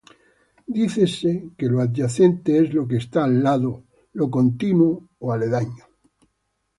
Dícese que lo adyacente es lo que está al lado, lo contiguo o aledaño.